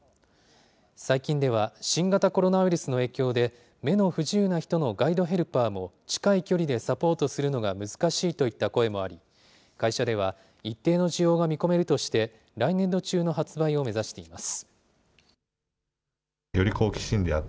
最近では新型コロナウイルスの影響で、目の不自由な人のガイドヘルパーも近い距離でサポートするのが難しいといった声もあり、会社では、一定の需要が見込めるとして、来年度中の発売を目指しています。